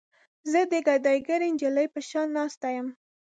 زه د ګداګرې نجلۍ په شان ناسته یم.